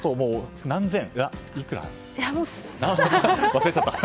忘れちゃった。